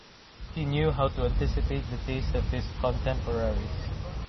He knew how to anticipate the taste of his contemporaries.